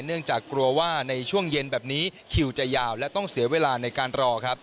เนื่องจากกลัวว่าในช่วงเย็นแบบนี้คิวจะยาวและต้องเสียเวลาในการรอครับ